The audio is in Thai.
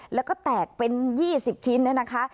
แล้วก็แตกเป็น๒๐ชิ้นเนี่ยนะคะ